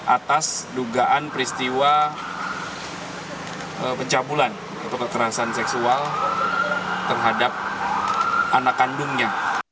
atas dugaan peristiwa pencabulan atau kekerasan seksual terhadap anak kandungnya